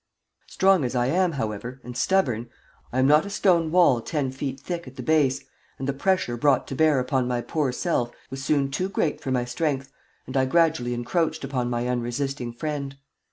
Strong as I am, however, and stubborn, I am not a stone wall ten feet thick at the base, and the pressure brought to bear upon my poor self was soon too great for my strength, and I gradually encroached upon my unresisting friend.